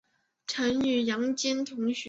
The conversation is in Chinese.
曾与杨坚同学。